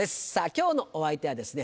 今日のお相手はですね